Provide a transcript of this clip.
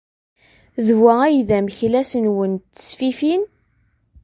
D wa ay d ameklas-nwen n tesfifin?